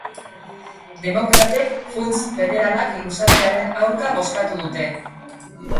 Demokratek funts federalak luzatzearen aurka bozkatu dute.